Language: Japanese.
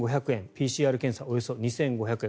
ＰＣＲ検査およそ２５００円